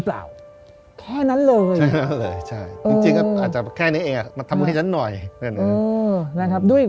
และทำไขให้ฉันหน่อย